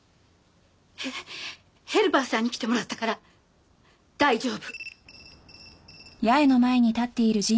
ヘヘルパーさんに来てもらったから大丈夫。